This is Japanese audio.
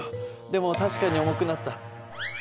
でも確かに重くなった。